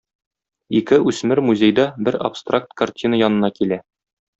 Ике үсмер музейда бер абстракт картина янына килә.